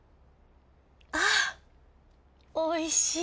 あおいしい。